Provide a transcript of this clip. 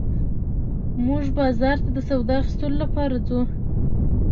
موږ بازار ته د سودا اخيستلو لپاره ځو